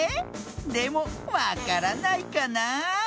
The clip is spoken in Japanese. でもわからないかなあ？